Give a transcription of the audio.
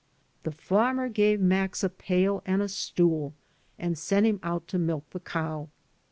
'^The farmer gave Max a pail and a stool and sent him out to milk the cow.